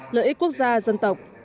lợi ích quốc gia dân tộc